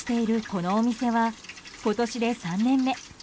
このお店は、今年で３年目。